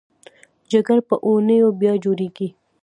جګر په اونیو بیا جوړېږي.